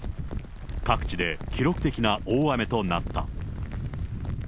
各地で記録的な大雨となった。